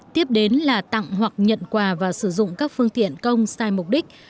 tiếp đến là tặng hoặc nhận quà và sử dụng các phương tiện công sai mục đích